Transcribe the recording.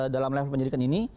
dalam level penyidikan ini